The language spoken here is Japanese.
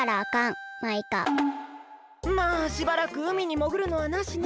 まあしばらくうみにもぐるのはなしね。